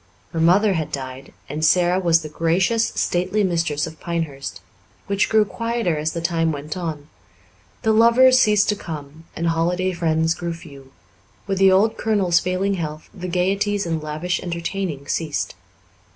Her mother had died, and Sara was the gracious, stately mistress of Pinehurst, which grew quieter as the time went on; the lovers ceased to come, and holiday friends grew few; with the old colonel's failing health the gaieties and lavish entertaining ceased.